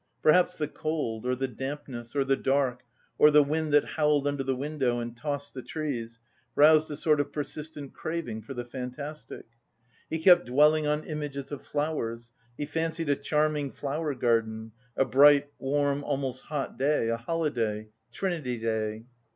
Perhaps the cold, or the dampness, or the dark, or the wind that howled under the window and tossed the trees roused a sort of persistent craving for the fantastic. He kept dwelling on images of flowers, he fancied a charming flower garden, a bright, warm, almost hot day, a holiday Trinity day.